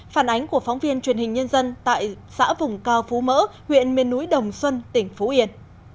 phản ánh của phóng viên truyền hình nhân dân tại xã vùng cao phú mỡ huyện miền núi đồng xuân tỉnh phú yên